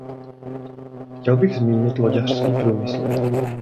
Chtěl bych zmínit loďařský průmysl.